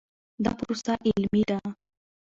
دا پروسه علمي ده.